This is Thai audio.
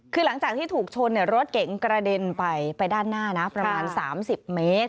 คือหลังจากที่ถูกชนรถเก๋งกระเด็นไปไปด้านหน้านะประมาณ๓๐เมตร